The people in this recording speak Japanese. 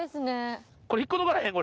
これ引っこ抜かれへん？